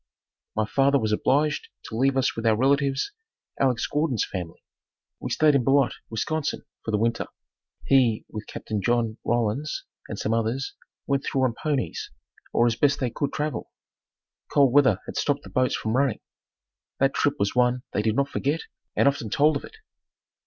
My father was obliged to leave us with our relatives, Alex. Gordon's family. We stayed in Beloit, Wisconsin for the winter. He, with Capt. John Rollins and some others went through on ponies, or as best they could travel. Cold weather had stopped the boats from running. That trip was one they did not forget and often told of it.